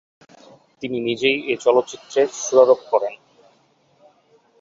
তিনি নিজেই এই চলচ্চিত্রের সুরারোপ করেন।